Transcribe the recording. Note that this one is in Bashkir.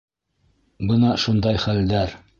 Бына шундай хәлдәр.